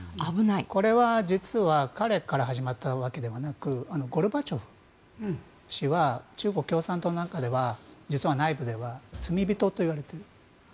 これは実は彼から始まったわけではなくゴルバチョフ氏は中国共産党なんかでは実は内部では罪人といわれている。